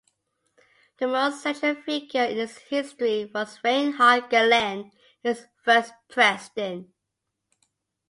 The most central figure in its history was Reinhard Gehlen, its first president.